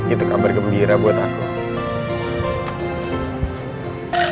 itu kabar gembira buat aku